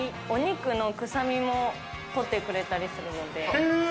お肉の臭みも取ってくれたりするので。